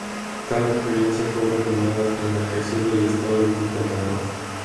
Tal referencia fue retomada tras la creación del estado de Quintana Roo.